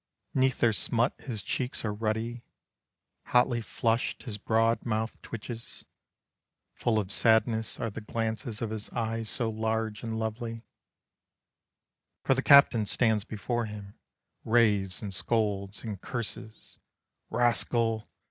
'Neath their smut his cheeks are ruddy, Hotly flushed, his broad mouth twitches. Full of sadness are the glances Of his eyes so large and lovely. For the captain stands before him, Raves and scolds and curses: "Rascal!